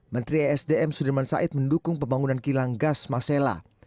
menteri esdm sudirman said mendukung pembangunan kilang gas masela